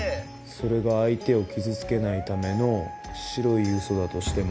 それが相手を傷つけないための白いウソだとしても？